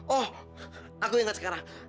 oh aku inget sekarang